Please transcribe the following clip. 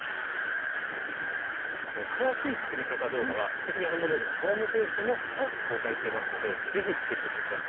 詳しい作り方動画は「すてきにハンドメイド」のホームページでも公開していますので是非チェックして下さい。